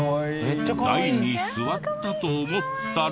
台に座ったと思ったら。